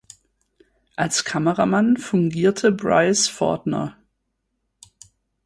Als Kameramann fungierte Bryce Fortner.